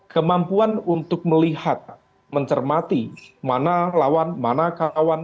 kemampuan untuk melihat mencermati mana lawan mana kawan